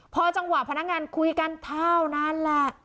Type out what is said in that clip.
พอจังหวะพนักงานคุยกันเท่านั้นแหละ